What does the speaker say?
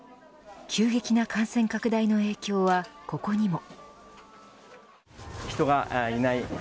急激な感染拡大の影響はここにも。